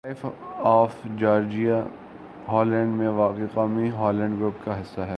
life of Georgia Holland میں واقع قومی ہالینڈ گروپ کا حصّہ ہے